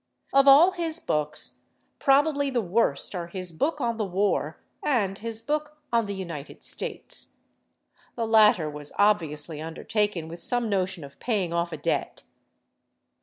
Of all his books, probably the worst are his book on the war and his book on the United States. The latter was obviously undertaken with some notion of paying off a debt.